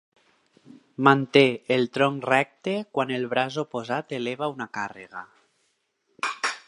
Manté el tronc recte quan el braç oposat eleva una càrrega.